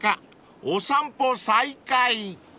［お散歩再開］